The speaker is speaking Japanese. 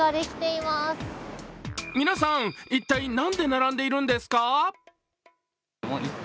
皆さん、一体なんで並んでいるんですか？